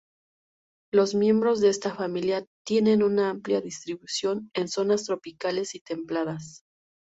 Los miembros de esta familia tienen una amplia distribución en zonas tropicales y templadas.